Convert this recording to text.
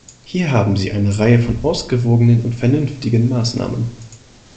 Hier haben Sie eine Reihe von ausgewogenen und vernünftigen Maßnahmen.